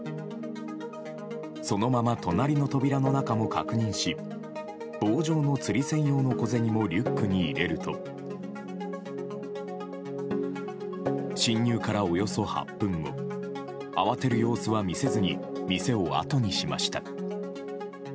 そのまま隣の扉の中も確認し棒状のつり銭用の小銭もリュックに入れると侵入からおよそ８分後慌てる様子は見せずに店を後にしました。